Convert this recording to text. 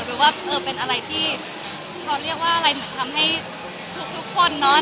ว่าเออเป็นอะไรที่ช้อนเรียกว่าอะไรเหมือนทำให้ทุกคนเนาะ